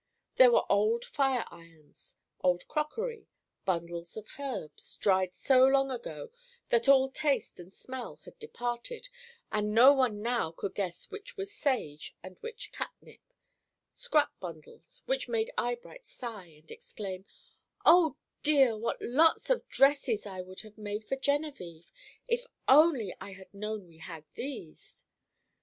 There were old fire irons, old crockery, bundles of herbs, dried so long ago that all taste and smell had departed, and no one now could guess which was sage and which catnip; scrap bundles, which made Eyebright sigh and exclaim, "Oh dear, what lots of dresses I would have made for Genevieve, if only I had known we had these!"